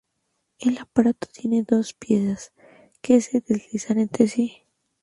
El aparato tiene dos piezas que se deslizan entre sí.